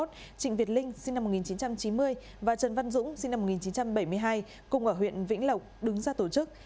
trịnh việt linh sinh năm một nghìn chín trăm chín mươi và trần văn dũng sinh năm một nghìn chín trăm bảy mươi hai cùng ở huyện vĩnh lộc đứng ra tổ chức